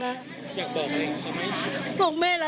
อยากบอกอะไรเขาไม่รัก